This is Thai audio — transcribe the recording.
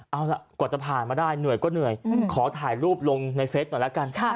เอาล่ะกว่าจะผ่านมาได้เหนื่อยก็เหนื่อยขอถ่ายรูปลงในเฟซหน่อยแล้วกัน